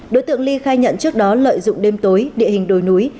đối tượng ly khai nhận trước đó lợi dụng đêm tối địa hình đồi núi